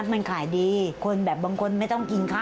สวัสดีค่ะสวัสดีค่ะ